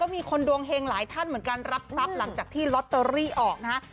มีคนดวงเฮงหลายท่านเหมือนกันรับทรัพย์หลังจากที่ลอตเตอรี่ออกนะฮะ